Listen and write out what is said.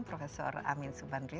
prof amin subandri